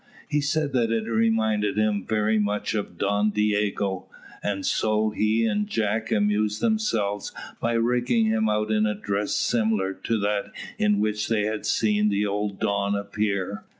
He said that it reminded him very much of Don Diogo, and so he and Jack amused themselves by rigging him out in a dress similar to that in which they had seen the old Don appear.